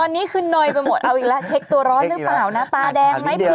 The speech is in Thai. ตอนนี้คือนอยไปหมดเอาอีกแล้วเช็คตัวร้อนหรือเปล่านะตาแดงไหมเผื่อ